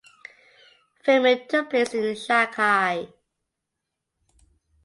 Filming took place in Shanghai.